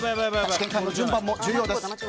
試験管の順番も重要です。